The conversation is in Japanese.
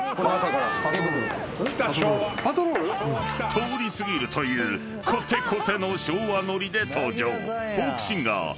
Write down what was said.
［通り過ぎるというこてこての昭和ノリで登場］